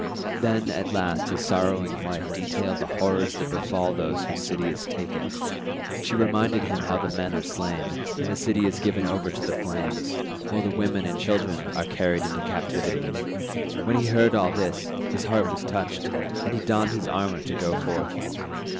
Then at last his sorrowing wife detailed the horrors that befall those whose city is taken; she reminded him how the men are slain, and the city is given over to the flames, while the women and children are carried into captivity; when he heard all this, his heart was touched, and he donned his armour to go forth.